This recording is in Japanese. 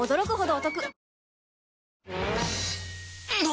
お！